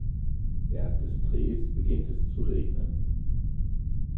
Während des Drehs beginnt es zu regnen.